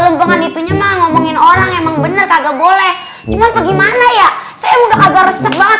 lembangan itunya ngomongin orang emang bener kagak boleh gimana ya saya udah kabar banget